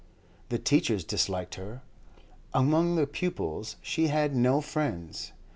The teachers disliked her; among the pupils she had no friends.